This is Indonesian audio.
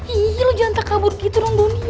ih lo jangan tak kabur gitu dong bumi